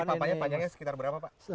ini papannya panjangnya sekitar berapa pak